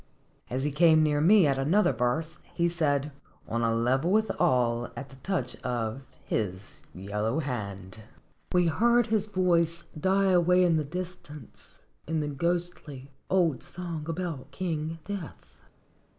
As he came near me at another verse, he Singeb itlotlja. 69 said: "On a level with all at the touch of 'his yellow hand.'" We heard his voice die away in the distance in the ghostly old song about King Death.